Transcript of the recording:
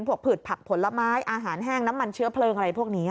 ผืดผักผลไม้อาหารแห้งน้ำมันเชื้อเพลิงอะไรพวกนี้